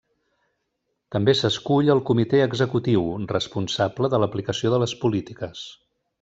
També s'escull al Comitè Executiu, responsable de l'aplicació de les polítiques.